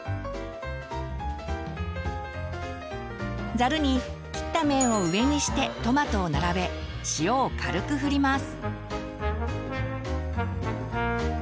ざるに切った面を上にしてトマトを並べ塩を軽くふります。